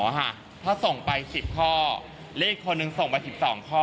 ถ้าส่งไป๑๐ข้อเลขอีกคนนึงส่งไป๑๒ข้อ